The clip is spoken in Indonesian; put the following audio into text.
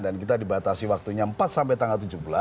dan kita dibatasi waktunya empat sampai tanggal tujuh belas